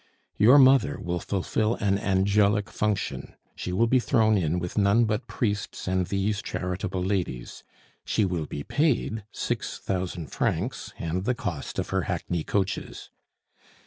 Your mother will fulfil an angelic function; she will be thrown in with none but priests and these charitable ladies; she will be paid six thousand francs and the cost of her hackney coaches.